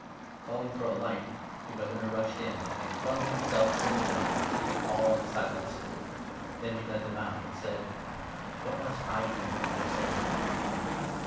Calling for a light, the Governor rushed in, and flung himself 29 trembling at the feet of Paul and Silas. Then he led them 30 out, and said :" What must I do to be saved